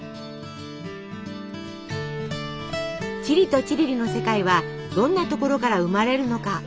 チリとチリリの世界はどんなところから生まれるのか。